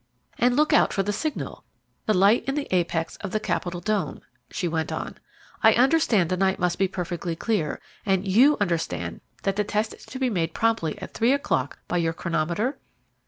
"And look out for the signal the light in the apex of the capitol dome," she went on. "I understand the night must be perfectly clear; and you understand that the test is to be made promptly at three o'clock by your chronometer?"